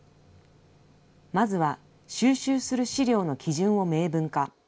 まずは、収集する資料の基準を明文化。